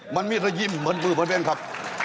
มันไม่ได้ยิ้มมันเป็นแบบนั้นครับ